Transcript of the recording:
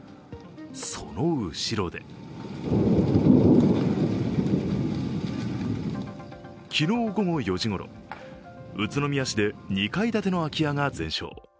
その後ろで昨日午後４時ごろ、宇都宮市で２階建ての空き家が全焼。